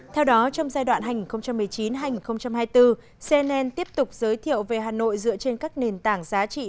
theo đó trong giai đoạn hành một mươi chín hai nghìn hai mươi bốn cnn tiếp tục giới thiệu về hà nội dựa trên các nền tảng giá trị